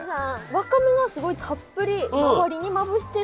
わかめがすごいたっぷり周りにまぶしてるから。